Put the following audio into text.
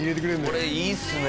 これいいっすね